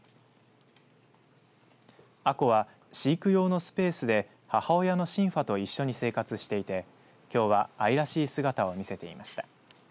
杏香は飼育用のスペースで母親のシンファと一緒に生活していてきょうは愛らしい姿を見せていました。